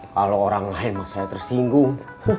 kalau orang lain saya tersinggung